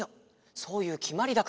そういうきまりだから。